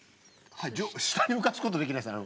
下に浮かすことできないですね。